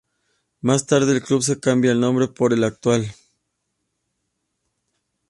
Más tarde el club se cambia el nombre por el actual.